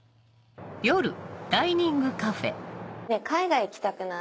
海外行きたくない？